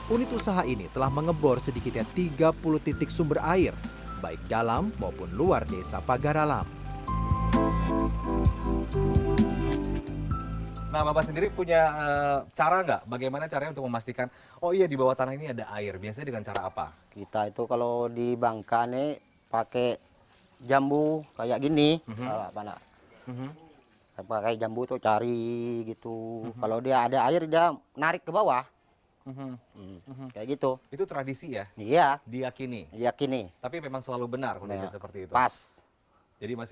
unit usaha ini memiliki enam unit tenda meja makan dan dua ratus lima puluh kursi